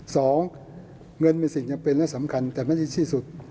สองเงินมีสิ่งจำเป็นและสำคัญแต่ไม่ได้ที่สุด